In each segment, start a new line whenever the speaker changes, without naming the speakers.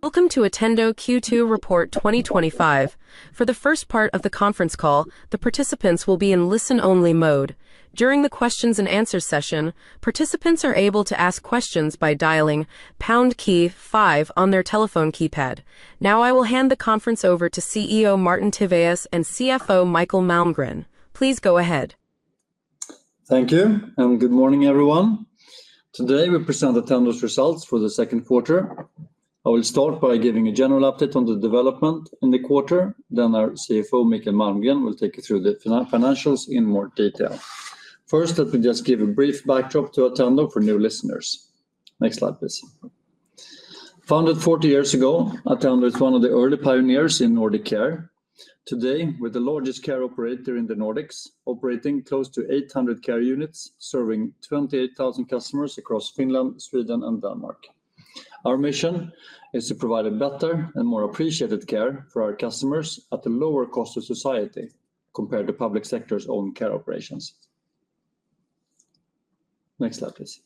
Welcome to Attendo Q2 Report 2025. For the first part of the conference call, the participants will be in listen-only mode. During the questions-and-answers session, participants are able to ask questions by dialing pound key five on their telephone keypad. Now, I will hand the conference over to CEO Martin Tivéus and CFO Mikael Malmgren. Please go ahead.
Thank you, and good morning, everyone. Today, we present Attendo's results for the second quarter. I will start by giving a general update on the development in the quarter. Then, our CFO, Mikael Malmgren, will take you through the financials in more detail. First, let me just give a brief backdrop to Attendo for new listeners. Next slide, please. Founded 40 years ago, Attendo is one of the early pioneers in Nordic care. Today, we are the largest care operator in the Nordics, operating close to 800 care units, serving 28,000 customers across Finland, Sweden, and Denmark. Our mission is to provide a better and more appreciated care for our customers at a lower cost to society compared to the public sector's own care operations. Next slide, please.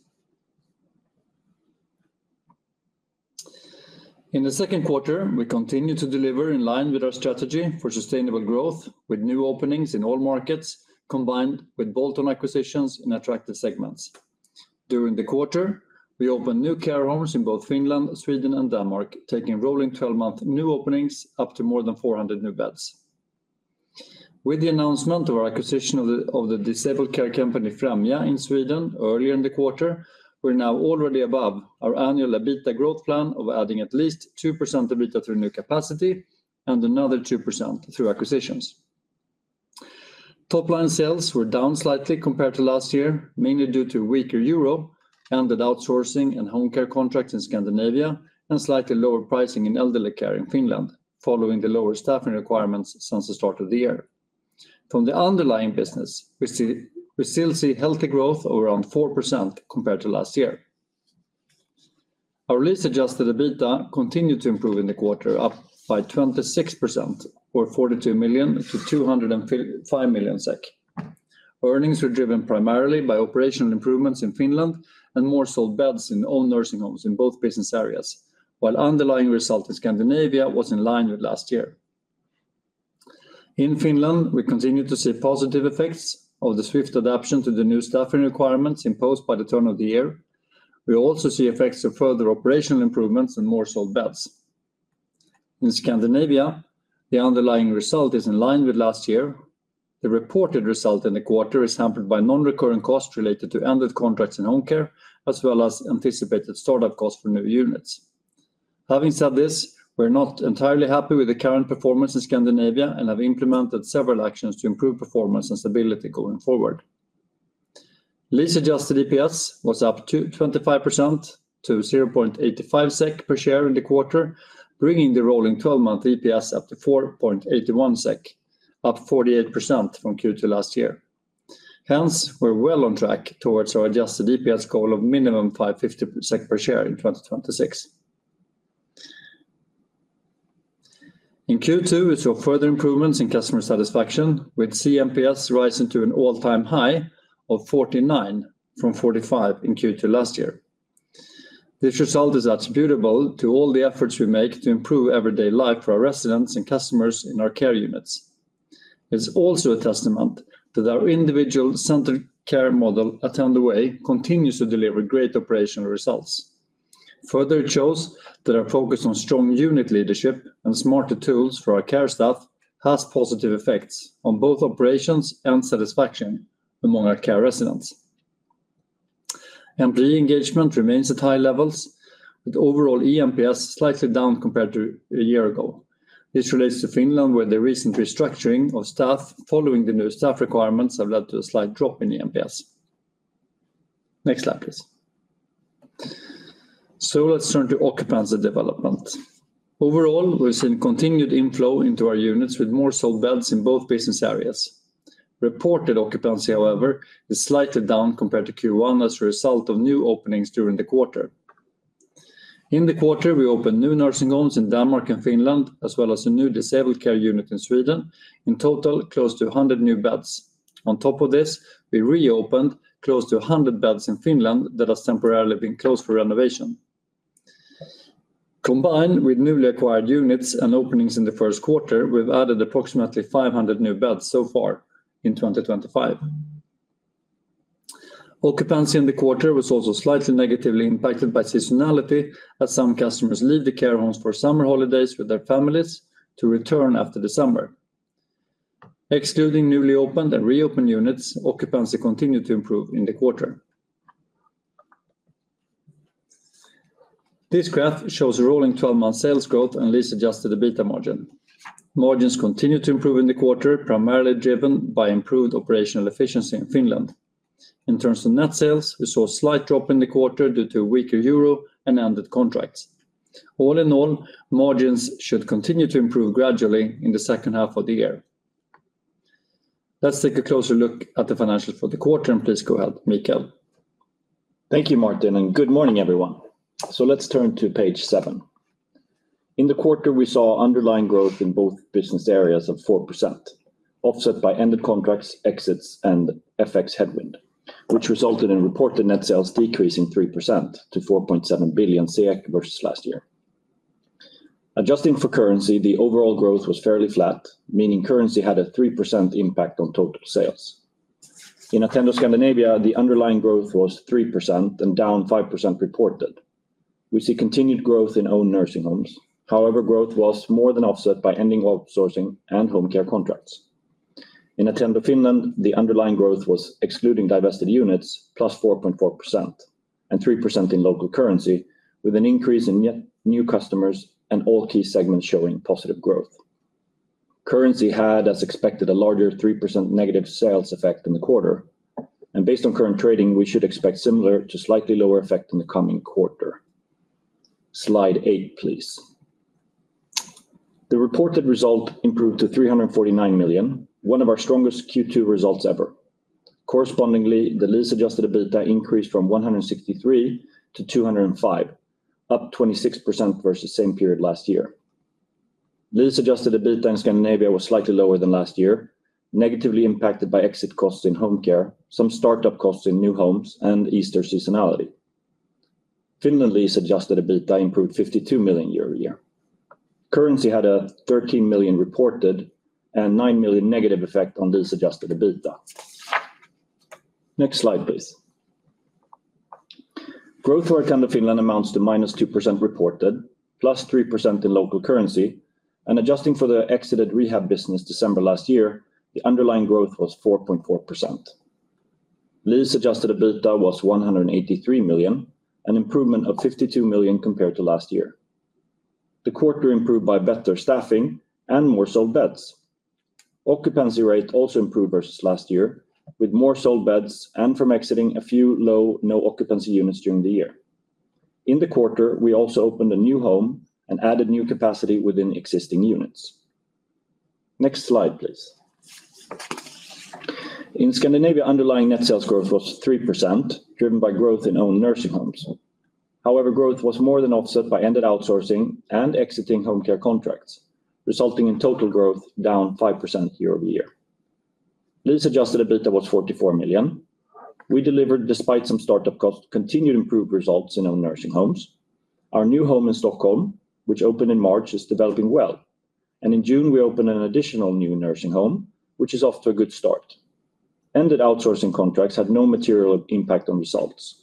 In the second quarter, we continue to deliver in line with our strategy for sustainable growth, with new openings in all markets, combined with bolt-on acquisitions in attractive segments. During the quarter, we opened new care homes in both Finland, Sweden, and Denmark, taking rolling 12-month new openings up to more than 400 new beds. With the announcement of our acquisition of the disabled care company Främja in Sweden earlier in the quarter, we are now already above our annual EBITDA growth plan of adding at least 2% EBITDA through new capacity and another 2% through acquisitions. Top-line sales were down slightly compared to last year, mainly due to weaker euro, ended outsourcing and home care contracts in Scandinavia, and slightly lower pricing in elderly care in Finland, following the lower staffing requirements since the start of the year. From the underlying business, we still see healthy growth of around 4% compared to last year. Our lease adjusted EBITDA continued to improve in the quarter, up by 26%, or 42 million to 205 million SEK. Earnings were driven primarily by operational improvements in Finland and more sold beds in all nursing homes in both business areas, while the underlying result in Scandinavia was in line with last year. In Finland, we continue to see positive effects of the swift adoption to the new staffing requirements imposed by the turn of the year. We also see effects of further operational improvements and more sold beds. In Scandinavia, the underlying result is in line with last year. The reported result in the quarter is sampled by non-recurring costs related to ended contracts in home care, as well as anticipated startup costs for new units. Having said this, we are not entirely happy with the current performance in Scandinavia and have implemented several actions to improve performance and stability going forward. Latest adjusted EPS was up 25% to 0.85 SEK per share in the quarter, bringing the rolling 12-month EPS up to 4.81 SEK, up 48% from Q2 last year. Hence, we are well on track towards our adjusted EPS goal of a minimum of SEK 5.50 per share in 2026. In Q2, we saw further improvements in customer satisfaction, with CMPS rising to an all-time high of 49 from 45 in Q2 last year. This result is attributable to all the efforts we make to improve everyday life for our residents and customers in our care units. It is also a testament that our individual centered care model, Attendo A, continues to deliver great operational results. It further shows that our focus on strong unit leadership and smarter tools for our care staff has positive effects on both operations and satisfaction among our care residents. Employee engagement remains at high levels, with overall EMPS slightly down compared to a year ago. This relates to Finland, where the recent restructuring of staff following the new staff requirements has led to a slight drop in EMPS. Next slide, please. Let's turn to occupancy development. Overall, we have seen continued inflow into our units with more sold beds in both business areas. Reported occupancy, however, is slightly down compared to Q1 as a result of new openings during the quarter. In the quarter, we opened new nursing homes in Denmark and Finland, as well as a new disabled care unit in Sweden, in total close to 100 new beds. On top of this, we reopened close to 100 beds in Finland that have temporarily been closed for renovation. Combined with newly acquired units and openings in the first quarter, we have added approximately 500 new beds so far in 2025. Occupancy in the quarter was also slightly negatively impacted by seasonality, as some customers leave the care homes for summer holidays with their families to return after December. Excluding newly opened and reopened units, occupancy continued to improve in the quarter. This graph shows a rolling 12-month sales growth and latest adjusted EBITDA margin. Margins continue to improve in the quarter, primarily driven by improved operational efficiency in Finland. In terms of net sales, we saw a slight drop in the quarter due to a weaker euro and ended contracts. All in all, margins should continue to improve gradually in the second half of the year. Let's take a closer look at the financials for the quarter, and please go ahead, Mikael.
Thank you, Martin, and good morning, everyone. Let's turn to page seven. In the quarter, we saw underlying growth in both business areas of 4%, offset by ended contracts, exits, and FX headwind, which resulted in reported net sales decreasing 3% to 4.7 billion versus last year. Adjusting for currency, the overall growth was fairly flat, meaning currency had a 3% impact on total sales. In Attendo Scandinavia, the underlying growth was 3% and down 5% reported. We see continued growth in owned nursing homes. However, growth was more than offset by ending outsourcing and home care contracts. In Attendo Finland, the underlying growth was, excluding divested units, plus 4.4% and 3% in local currency, with an increase in new customers and all key segments showing positive growth. Currency had, as expected, a larger 3% negative sales effect in the quarter, and based on current trading, we should expect a similar to slightly lower effect in the coming quarter. Slide eight, please. The reported result improved to 349 million, one of our strongest Q2 results ever. Correspondingly, the lease-adjusted EBITDA increased from 163 million to 205 million, up 26% versus the same period last year. Lease-adjusted EBITDA in Scandinavia was slightly lower than last year, negatively impacted by exit costs in home care, some startup costs in new homes, and Easter seasonality. Finland lease-adjusted EBITDA improved SEK 52 million year-over-year. Currency had a 13 million reported and 9 million negative effect on lease-adjusted EBITDA. Next slide, please. Growth for Attendo Finland amounts to -2% reported, +3% in local currency, and adjusting for the exited rehab business December last year, the underlying growth was 4.4%. Lease-adjusted EBITDA was 183 million, an improvement of 52 million compared to last year. The quarter improved by better staffing and more sold beds. Occupancy rate also improved versus last year, with more sold beds and from exiting a few low or no occupancy units during the year. In the quarter, we also opened a new home and added new capacity within existing units. Next slide, please. In Scandinavia, underlying net sales growth was 3%, driven by growth in owned nursing homes. However, growth was more than offset by ended outsourcing and exiting home care contracts, resulting in total growth down 5% year-over-year. Lease-adjusted EBITDA was 44 million. We delivered, despite some startup costs, continued improved results in owned nursing homes. Our new home in Stockholm, which opened in March, is developing well, and in June, we opened an additional new nursing home, which is off to a good start. Ended outsourcing contracts had no material impact on results.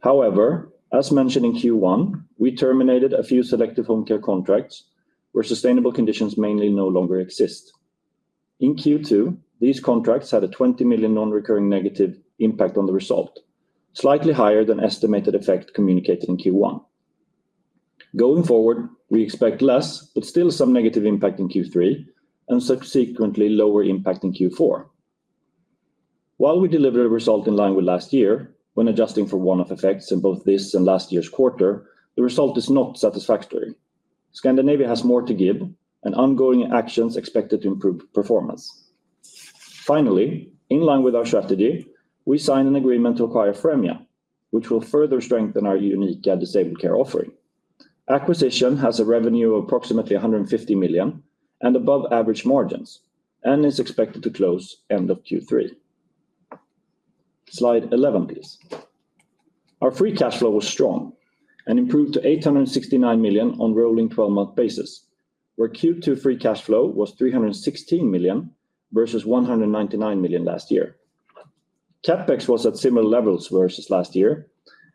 However, as mentioned in Q1, we terminated a few selective home care contracts where sustainable conditions mainly no longer exist. In Q2, these contracts had a 20 million non-recurring negative impact on the result, slightly higher than the estimated effect communicated in Q1. Going forward, we expect less, but still some negative impact in Q3 and subsequently lower impact in Q4. While we delivered a result in line with last year, when adjusting for one-off effects in both this and last year's quarter, the result is not satisfactory. Scandinavia has more to give, and ongoing actions are expected to improve performance. Finally, in line with our strategy, we signed an agreement to acquire Främja, which will further strengthen our Uniqa disabled care offering. The acquisition has a revenue of approximately 150 million and above average margins and is expected to close end of Q3. Slide 11, please. Our free cash flow was strong and improved to 869 million on a rolling 12-month basis, where Q2 free cash flow was 316 million versus 199 million last year. CapEx was at similar levels versus last year,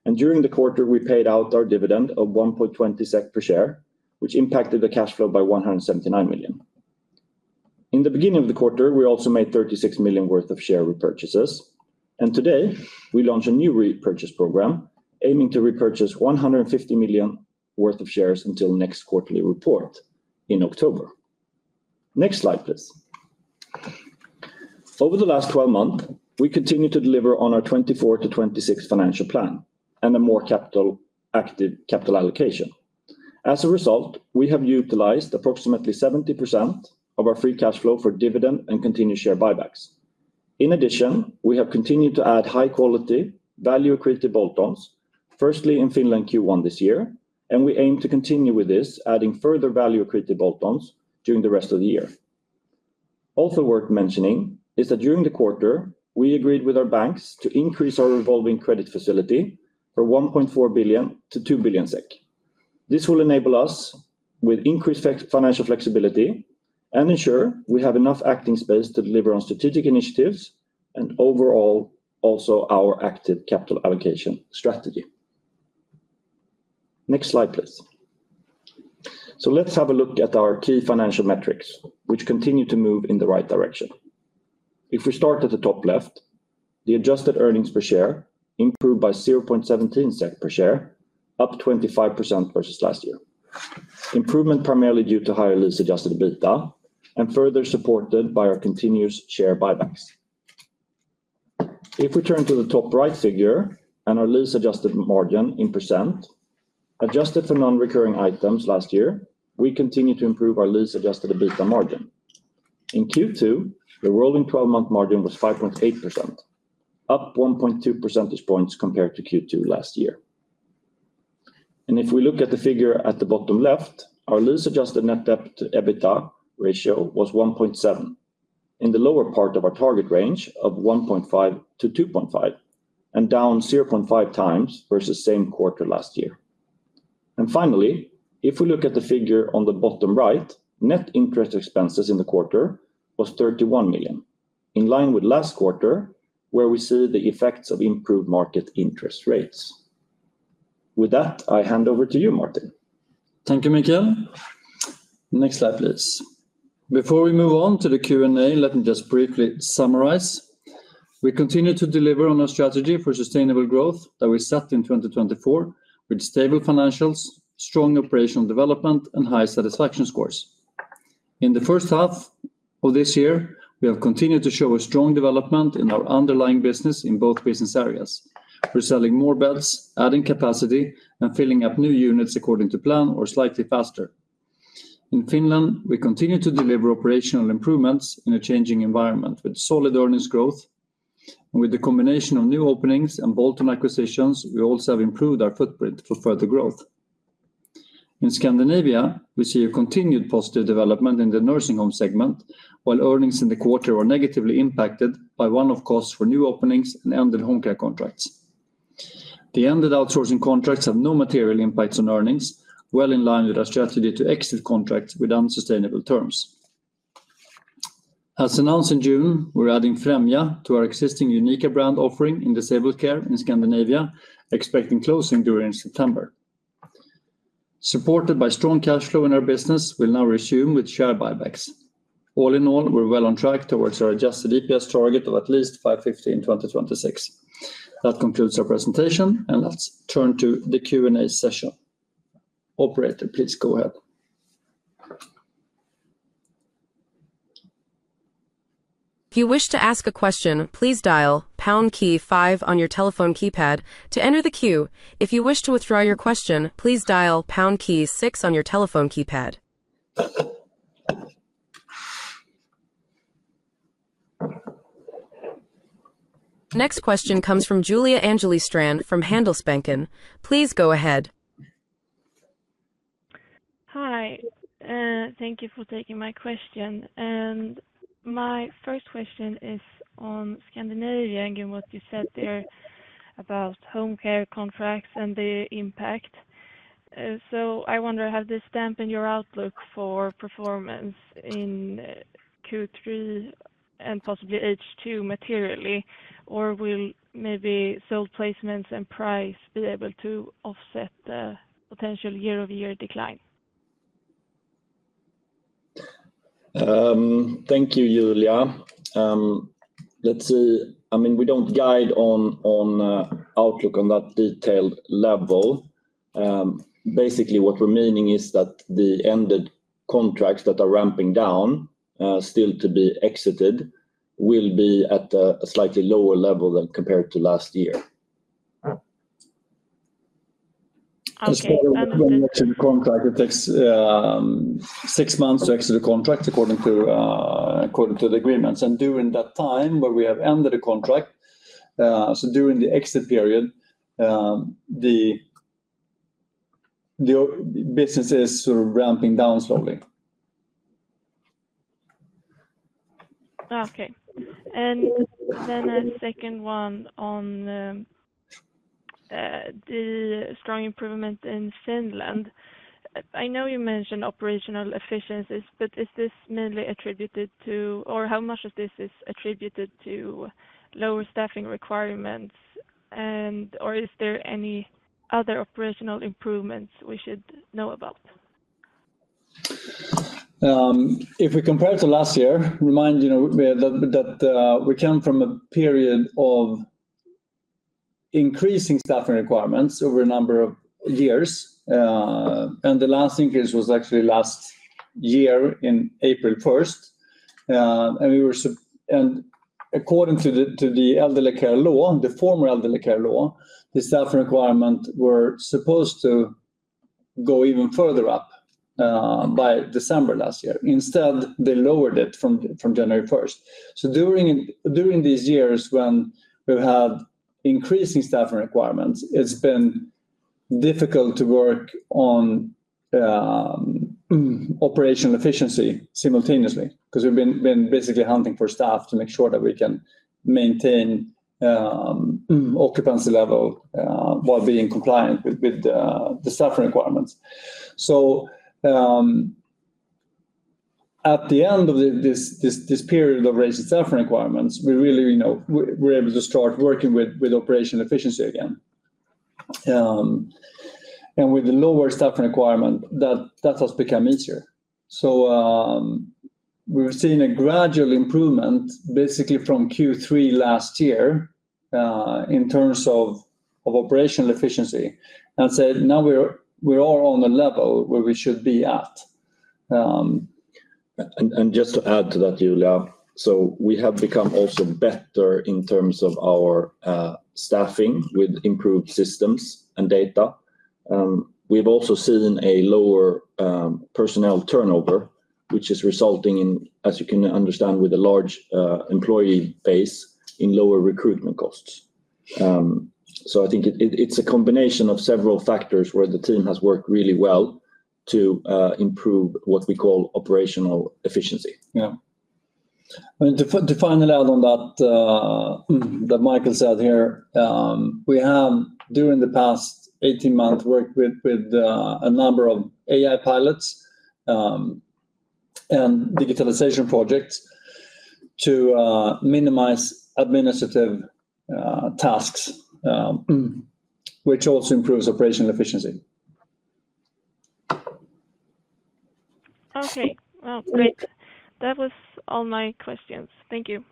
and during the quarter, we paid out our dividend of 1.20 SEK per share, which impacted the cash flow by 179 million. In the beginning of the quarter, we also made 36 million worth of share repurchases, and today, we launched a new repurchase program aiming to repurchase 150 million worth of shares until the next quarterly report in October. Next slide, please. Over the last 12 months, we continue to deliver on our 2024 to 2026 financial plan and a more active capital allocation. As a result, we have utilized approximately 70% of our free cash flow for dividend payments and continued share buybacks. In addition, we have continued to add high-quality value-equity bolt-on acquisitions, firstly in Finland in Q1 this year, and we aim to continue with this, adding further value-equity bolt-ons during the rest of the year. Also worth mentioning is that during the quarter, we agreed with our banks to increase our revolving credit facility from 1.4 billion to 2 billion SEK. This will enable us with increased financial flexibility and ensure we have enough acting space to deliver on strategic initiatives and overall also our active capital allocation strategy. Next slide, please. Let's have a look at our key financial metrics, which continue to move in the right direction. If we start at the top left, the adjusted EPS improved by 0.17 SEK per share, up 25% versus last year. Improvement primarily due to higher adjusted EBITDA and further supported by our continuous share buybacks. If we turn to the top right figure and our adjusted margin in percent, adjusted for non-recurring items last year, we continue to improve our adjusted EBITDA margin. In Q2, the rolling 12-month margin was 5.8%, up 1.2 percentage points compared to Q2 last year. If we look at the figure at the bottom left, our adjusted net debt to EBITDA ratio was 1.7, in the lower part of our target range of 1.5-2.5, and down 0.5 times versus the same quarter last year. Finally, if we look at the figure on the bottom right, net interest expenses in the quarter were 31 million, in line with last quarter, where we see the effects of improved market interest rates. With that, I hand over to you, Martin.
Thank you, Mikael. Next slide, please. Before we move on to the Q&A, let me just briefly summarize. We continue to deliver on our strategy for sustainable growth that we set in 2024, with stable financials, strong operational development, and high satisfaction scores. In the first half of this year, we have continued to show a strong development in our underlying business in both business areas. We're selling more beds, adding capacity, and filling up new units according to plan or slightly faster. In Finland, we continue to deliver operational improvements in a changing environment with solid earnings growth, and with the combination of new openings and bolt-on acquisitions, we also have improved our footprint for further growth. In Scandinavia, we see a continued positive development in the nursing home segment, while earnings in the quarter are negatively impacted by one-off costs for new openings and ended home care contracts. The ended outsourcing contracts have no material impacts on earnings, well in line with our strategy to exit contracts with unsustainable terms. As announced in June, we're adding Främja to our existing Uniqa brand offering in disabled care in Scandinavia, expecting closing during September. Supported by strong cash flow in our business, we'll now resume with share buybacks. All in all, we're well on track towards our adjusted EPS target of at least 5.50 in 2026. That concludes our presentation, and let's turn to the Q&A session. Operator, please go ahead.
If you wish to ask a question, please dial pound key five on your telephone keypad to enter the queue. If you wish to withdraw your question, please dial pound key six on your telephone keypad. Next question comes from Julia Angeli Strand from Handelsbanken. Please go ahead.
Hi, thank you for taking my question. My first question is on Scandinavia and what you said there about home care contracts and their impact. I wonder, have this dampened your outlook for performance in Q3 and possibly H2 materially, or will maybe sole placements and price be able to offset the potential year-over-year decline?
Thank you, Julia. Let's see. I mean, we don't guide on outlook on that detailed level. Basically, what we're meaning is that the ended contracts that are ramping down still to be exited will be at a slightly lower level than compared to last year.
Okay.
The ended contract, it takes six months to exit the contract according to the agreements. During that time where we have ended the contract, so during the exit period, the business is sort of ramping down slowly.
Okay. A second one on the strong improvement in Finland. I know you mentioned operational efficiencies, but is this mainly attributed to, or how much of this is attributed to lower staffing requirements, and/or is there any other operational improvements we should know about?
If we compare to last year, remind you that we come from a period of increasing staffing requirements over a number of years, and the last increase was actually last year on April 1. According to the elderly care law, the former elderly care law, the staffing requirements were supposed to go even further up by December last year. Instead, they lowered it from January 1. During these years when we've had increasing staffing requirements, it's been difficult to work on operational efficiency simultaneously because we've been basically hunting for staff to make sure that we can maintain occupancy level while being compliant with the staffing requirements. At the end of this period of raising staffing requirements, we're really able to start working with operational efficiency again. With the lower staffing requirement, that has become easier. We've seen a gradual improvement basically from Q3 last year in terms of operational efficiency. Now we are on the level where we should be at.
Just to add to that, Julia, we have become also better in terms of our staffing with improved systems and data. We've also seen a lower personnel turnover, which is resulting in, as you can understand, with a large employee base, in lower recruitment costs. I think it's a combination of several factors where the team has worked really well to improve what we call operational efficiency.
Yeah. To finalize on that, as Mikael said here, we have, during the past 18 months, worked with a number of AI pilots and digitalization projects to minimize administrative tasks, which also improves operational efficiency.
Okay. That was all my questions. Thank you.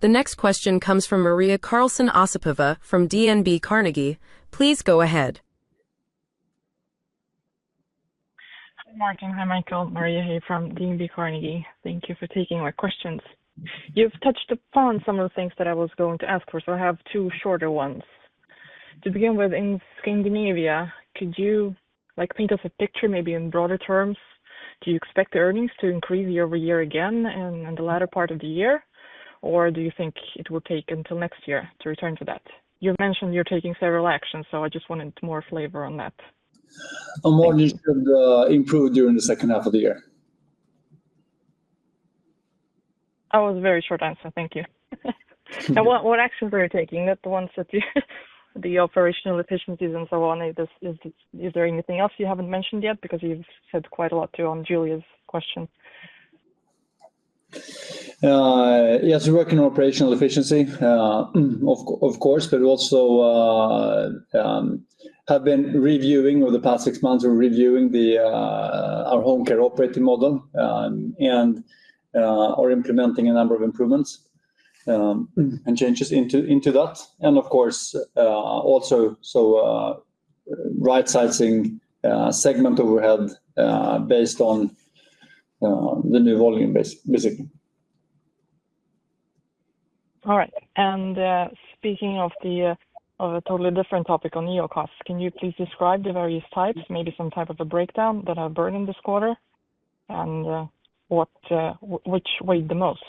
The next question comes from Maria Karlsson Osipova from DNB Carnegie. Please go ahead.
Good morning. Hi, Mikael. Maria here from DNB Carnegie. Thank you for taking my questions. You've touched upon some of the things that I was going to ask for, so I have two shorter ones. To begin with, in Scandinavia, could you paint us a picture, maybe in broader terms? Do you expect the earnings to increase year-over-year again in the latter part of the year, or do you think it will take until next year to return to that? You mentioned you're taking several actions, so I just wanted more flavor on that.
Our margins should improve during the second half of the year.
That was a very short answer. Thank you. What actions are you taking? Not the ones that you, the operational efficiencies and so on. Is there anything else you haven't mentioned yet? You've said quite a lot too on Julia's question.
Yes, we're working on operational efficiency, of course, but we also have been reviewing over the past six months, we're reviewing our home care operating model and are implementing a number of improvements and changes into that. Of course, also right-sizing segment overhead based on the new volume, basically.
All right. Speaking of a totally different topic on EO costs, can you please describe the various types, maybe some type of a breakdown that have burned in this quarter and which weighed the most?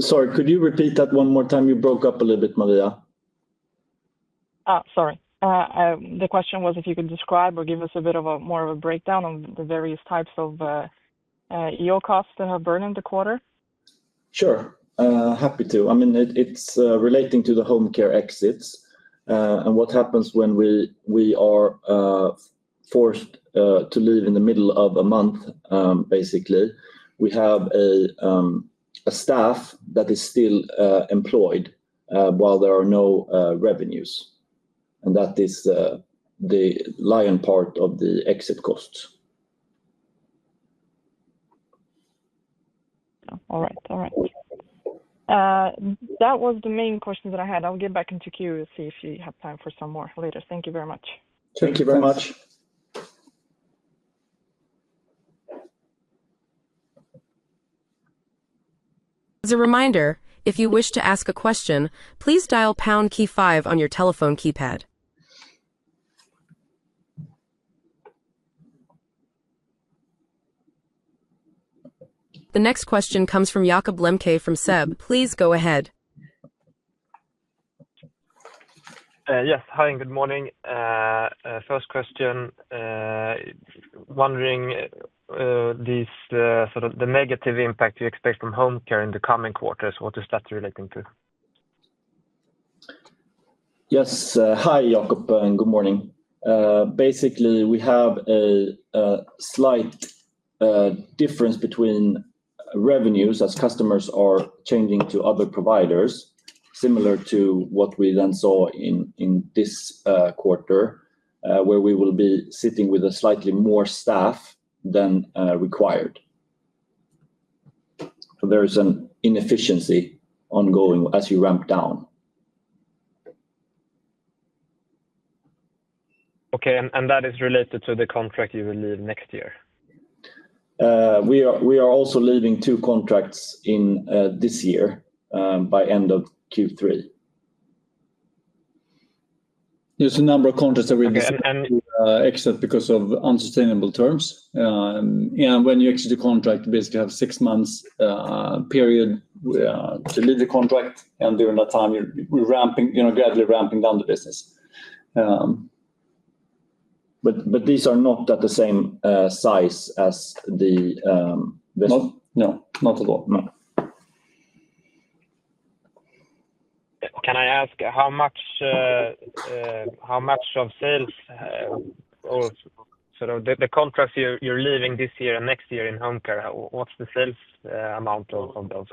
Sorry, could you repeat that one more time? You broke up a little bit, Maria.
The question was if you could describe or give us a bit of a more of a breakdown of the various types of EO costs that have burned in the quarter.
Sure. Happy to. I mean, it's relating to the home care exits. When we are forced to leave in the middle of a month, basically, we have a staff that is still employed while there are no revenues. That is the lion part of the exit costs.
All right. That was the main question that I had. I'll get back into queue and see if you have time for some more later. Thank you very much.
Thank you very much.
A reminder, if you wish to ask a question, please dial pound key five on your telephone keypad. The next question comes from Jakob Lemke from SEB. Please go ahead.
Yes. Hi, and good morning. First question, wondering the negative impact you expect from home care in the coming quarters. What is that relating to?
Yes. Hi, Jakob, and good morning. Basically, we have a slight difference between revenues as customers are changing to other providers, similar to what we then saw in this quarter, where we will be sitting with a slightly more staff than required. There is an inefficiency ongoing as we ramp down.
Okay. That is related to the contract you will leave next year?
We are also leaving two contracts this year by end of Q3. Yes, a number of contracts are being exited because of unsustainable terms. When you exit a contract, you basically have a six-month period to leave the contract, and during that time, you're gradually ramping down the business. These are not at the same size as the.
Not?
No, not at all. No.
Can I ask how much of sales or sort of the contracts you're leaving this year and next year in home care, what's the sales amount of those?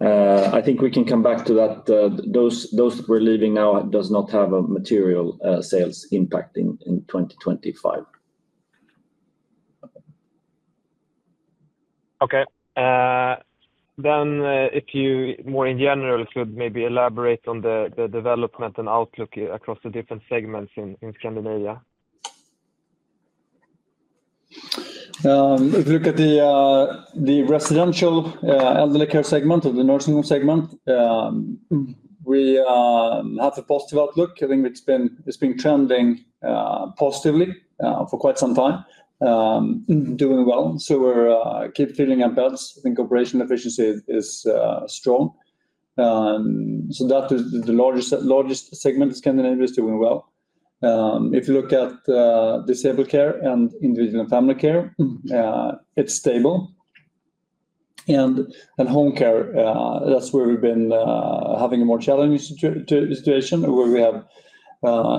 I think we can come back to that. Those we're leaving now do not have a material sales impact in 2025.
Okay. If you, more in general, could maybe elaborate on the development and outlook across the different segments in Scandinavia.
If you look at the residential elderly care segment, the nursing home segment, we have a positive outlook. I think it's been trending positively for quite some time, doing well. We're keeping filling our beds. I think operational efficiency is strong. That's the largest segment in Scandinavia is doing well. If you look at disabled care and individual and family care, it's stable. Home care, that's where we've been having a more challenging situation where we have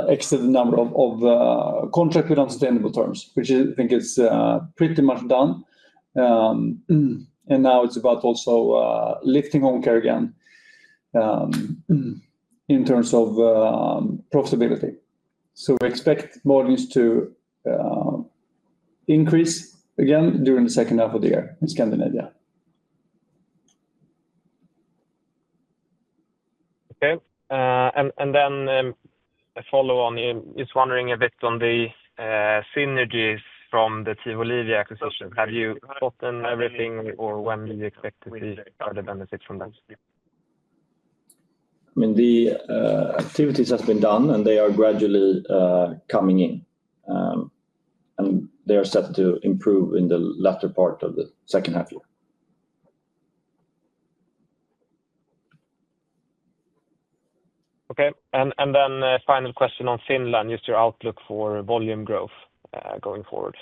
exited a number of contracts with unsustainable terms, which I think is pretty much done. Now it's about also lifting home care again in terms of profitability. We expect margins to increase again during the second half of the year in Scandinavia.
Okay. A follow-on. He's wondering a bit on the synergies from the Tivoli acquisition. Have you gotten everything, or when do you expect to see further benefits from them?
I mean, the activities have been done, and they are gradually coming in. They are set to improve in the latter part of the second half of the year.
Okay. A final question on Finland. Is your outlook for volume growth going forward?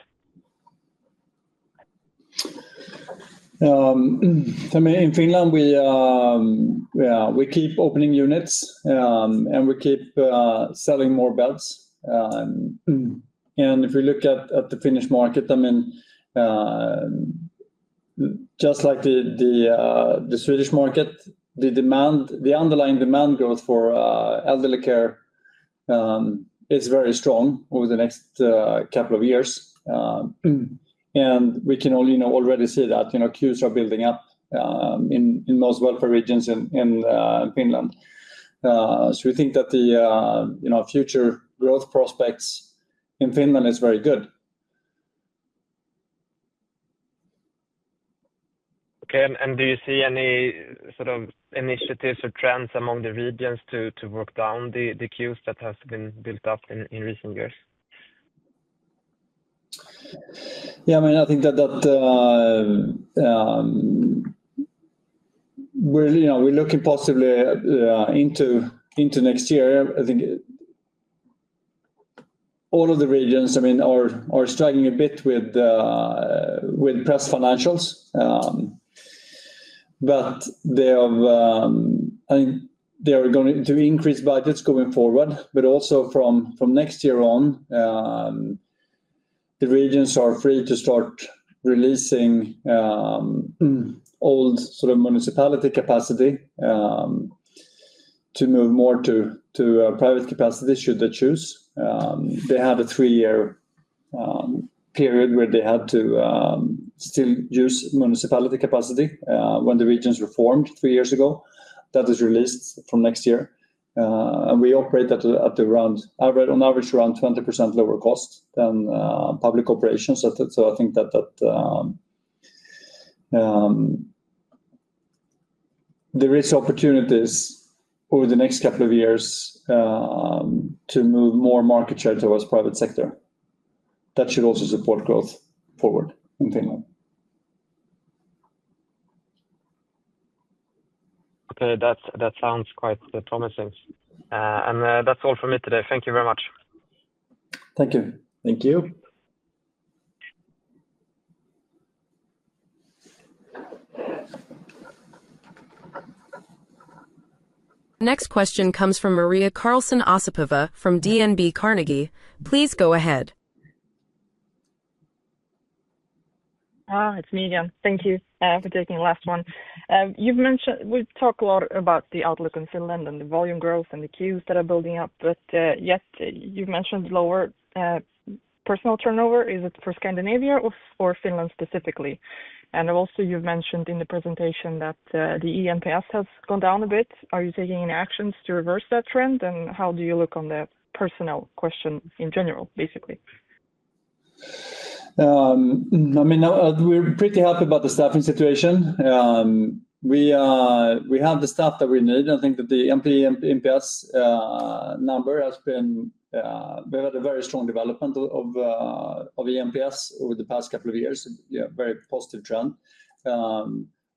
I mean.
In Finland, we keep opening units, and we keep selling more beds. If we look at the Finnish market, just like the Swedish market, the underlying demand growth for elderly care is very strong over the next couple of years. We can already see that queues are building up in most welfare regions in Finland. We think that the future growth prospects in Finland are very good.
Do you see any sort of initiatives or trends among the regions to work down the queues that have been built up in recent years?
I think that we're looking possibly into next year. I think all of the regions are struggling a bit with press financials. They are going to increase budgets going forward. Also, from next year on, the regions are free to start releasing old sort of municipality capacity to move more to private capacity should they choose. They had a three-year period where they had to still use municipality capacity when the regions were formed three years ago. That was released from next year. We operate at, on average, around 20% lower cost than public operations. I think that there are opportunities over the next couple of years to move more market share towards the private sector. That should also support growth forward in Finland.
That sounds quite promising. That's all for me today. Thank you very much.
Thank you.
Thank you.
Next question comes from Maria Karlsson Osipova from DNB Carnegie. Please go ahead.
It's me again. Thank you for taking the last one. We've talked a lot about the outlook in Finland and the volume growth and the queues that are building up. Yet, you've mentioned lower personnel turnover. Is it for Scandinavia or for Finland specifically? Also, you've mentioned in the presentation that the EMPS has gone down a bit. Are you taking any actions to reverse that trend? How do you look on the personnel question in general, basically?
I mean, we're pretty happy about the staffing situation. We have the staff that we need. I think that the EMPS number has been, we've had a very strong development of EMPS over the past couple of years, a very positive trend,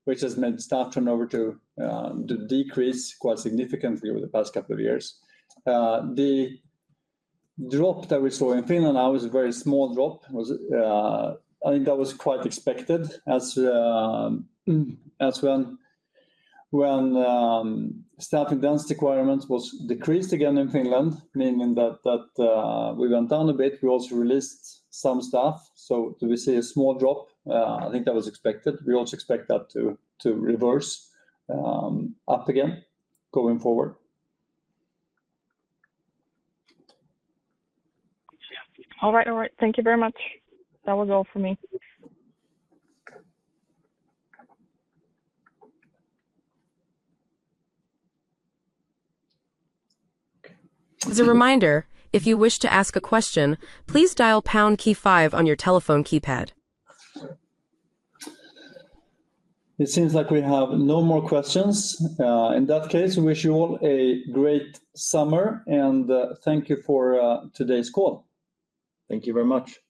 which has made the staff turnover decrease quite significantly over the past couple of years. The drop that we saw in Finland now is a very small drop. I think that was quite expected as when staffing density requirements decreased again in Finland, meaning that we went down a bit. We also released some staff. Do we see a small drop? I think that was expected. We also expect that to reverse up again going forward.
All right. Thank you very much. That was all for me.
As a reminder, if you wish to ask a question, please dial pound key five on your telephone keypad.
It seems like we have no more questions. In that case, we wish you all a great summer, and thank you for today's call.
Thank you very much.